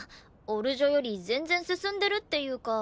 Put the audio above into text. オル女より全然進んでるっていうか